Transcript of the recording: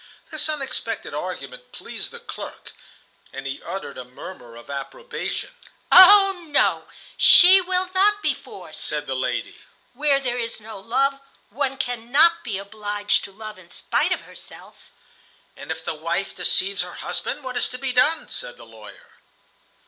This unexpected argument pleased the clerk, and he uttered a murmur of approbation. "Oh, no, she will not be forced," said the lady. "Where there is no love, one cannot be obliged to love in spite of herself." "And if the wife deceives her husband, what is to be done?" said the lawyer.